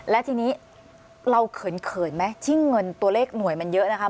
และทีนี้เราเขินไหมที่เงินตัวเลขหน่วยมันเยอะนะคะ